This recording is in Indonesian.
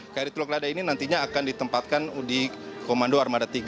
kri teluk lada ini nantinya akan ditempatkan di komando armada tiga